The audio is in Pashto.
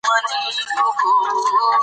د مارکېټ او رسنیو ژبه باید پښتو وي.